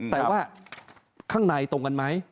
แต่ว่าข้างในตรงกันไหม